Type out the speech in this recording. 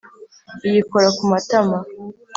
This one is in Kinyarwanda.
iyikora ku matama.